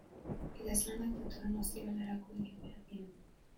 Idazlanak datorren ostiralerako egin behar dira.